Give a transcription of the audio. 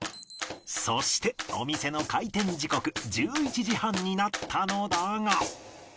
そしてお店の開店時刻１１時半になったのだが